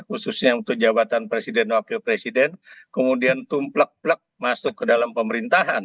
khususnya untuk jabatan presiden dan wakil presiden kemudian tumplek plek masuk ke dalam pemerintahan